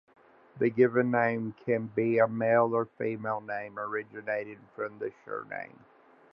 The given name can be a male or female name, originating from the surname.